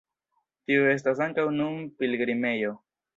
Tiu estas ankaŭ nun pilgrimejo.